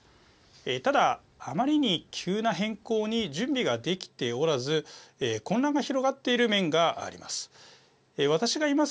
ただ、あまりに急な変更に準備ができておらず混乱が広がっている面があります。